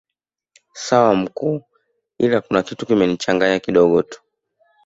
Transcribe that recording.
Sawa mkuu ila kuna kitu kimenichanganya kidogo tu